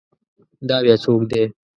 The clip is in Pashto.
دا بیا څوک دی؟